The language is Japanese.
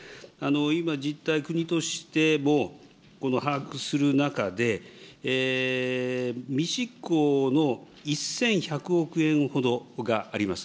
今、実態、国としてこの把握する中で、未執行の１１００億円ほどがあります。